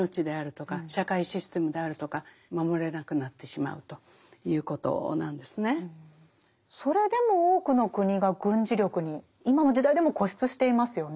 そうするとそれでも多くの国が軍事力に今の時代でも固執していますよね。